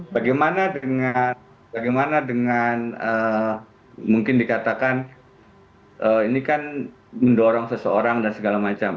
bagaimana dengan mungkin dikatakan ini kan mendorong seseorang dan segala macam